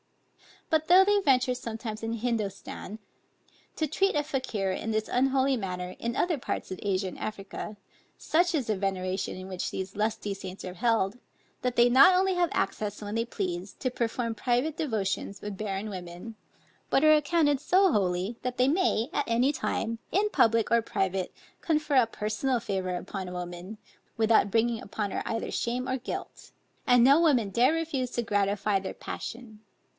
But though they venture sometimes in Hindostan, to treat a Fakier in this unholy manner, in other parts of Asia and Africa, such is the veneration in which these lusty saints are held, that they not only have access when they please, to perform private devotions with barren women, but are accounted so holy, that they may at any time, in public or private, confer a personal favor upon a woman, without bringing upon her either shame or guilt; and no woman dare refuse to gratify their passion.